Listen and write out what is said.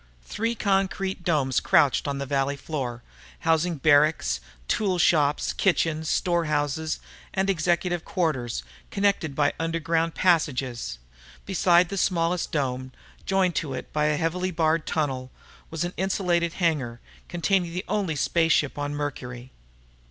Three concrete domes crouched on the valley floor, housing barracks, tool shops, kitchens, store houses, and executive quarters, connected by underground passages. Beside the smallest dome, joined to it by a heavily barred tunnel, was an insulated hangar, containing the only space ship on Mercury.